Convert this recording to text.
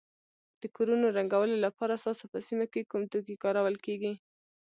د کورونو رنګولو لپاره ستاسو په سیمه کې کوم توکي کارول کیږي.